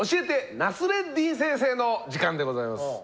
ナスレッディン先生」の時間でございます。